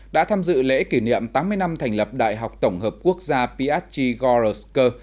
đã tham dự lễ kỷ niệm tám mươi năm thành lập đại học tổng hợp quốc gia piatchi gorsk